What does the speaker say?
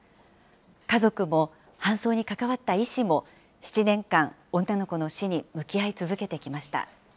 家族も、搬送に関わった医師も、７年間、女の子の死に向き合い続けてきました。